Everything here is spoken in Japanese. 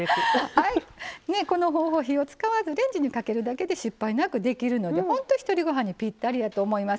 この方法、火を使わずレンジにかけるだけで失敗なくできるので本当、ひとりごはんにぴったりやと思います。